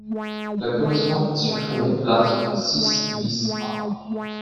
La commission a supprimé l’article six bis A.